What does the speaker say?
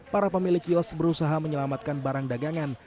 para pemilik kios berusaha menyelamatkan barang dagangan